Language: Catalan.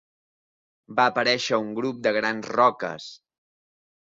Va aparèixer un grup de grans roques.